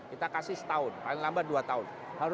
kita kasih setahun paling lambat dua tahun